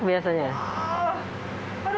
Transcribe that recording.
lebih banyak biasanya